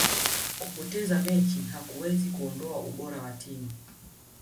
kupoteza mechi hakuwezi kuondoa ubora wa timu